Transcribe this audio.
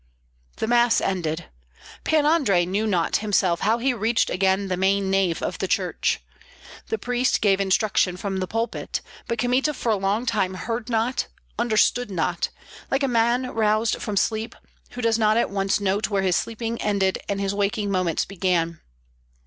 The Mass ended. Pan Andrei knew not himself how he reached again the main nave of the church. The priest gave instruction from the pulpit; but Kmita for a long time heard not, understood not, like a man roused from sleep, who does not at once note where his sleeping ended and his waking moments began.